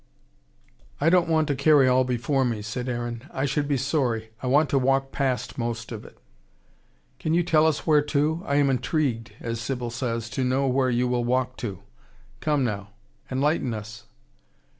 "I don't want to carry all before me," said Aaron. "I should be sorry. I want to walk past most of it." "Can you tell us where to? I am intrigued, as Sybil says, to know where you will walk to. Come now. Enlighten us."